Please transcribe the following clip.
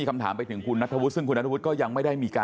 อาจต้องยอมรับที